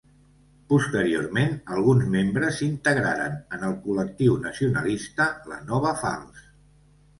Posteriorment alguns membres s'integraren en el Col·lectiu Nacionalista la Nova Falç.